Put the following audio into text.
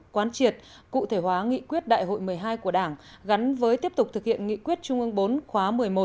quán triệt cụ thể hóa nghị quyết đại hội một mươi hai của đảng gắn với tiếp tục thực hiện nghị quyết trung ương bốn khóa một mươi một